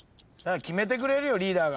決めてくれるよリーダーが。